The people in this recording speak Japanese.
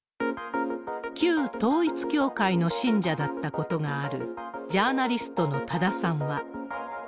旧統一教会の信者だったことがある、ジャーナリストの多田さんは。